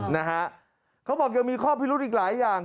นะฮะเขาบอกยังมีข้อพิรุธอีกหลายอย่าง